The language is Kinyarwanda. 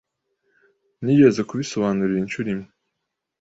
Nigeze kubisobanurira inshuro imwe.